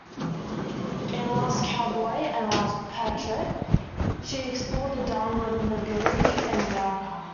In "Last Cowboy" and "Lone Patriot" she explored downward mobility in America.